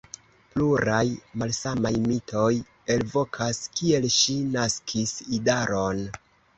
Pluraj malsamaj mitoj elvokas, kiel ŝi naskis idaron.